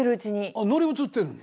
あっ乗り移ってるんだ。